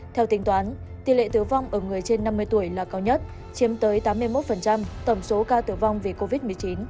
theo tính toán tỷ lệ tử vong ở người trên năm mươi tuổi là cao nhất chiếm tới tám mươi một tổng số ca tử vong vì covid một mươi chín